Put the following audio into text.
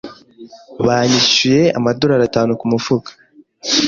Banyishyuye amadorari atanu kumufuka.